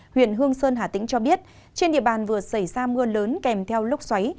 huyện hương sơn hà tĩnh cho biết trên địa bàn vừa xảy ra mưa lớn kèm theo lốc xoáy